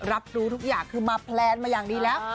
รับรู้ทุกอย่างคือมาแพลนมาอย่างดีแล้ว